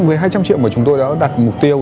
với hai trăm linh triệu mà chúng tôi đã đặt mục tiêu